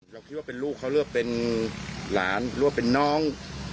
เราคิดว่าเป็นลูกเขาเลือกเป็นหลานหรือว่าเป็นน้อง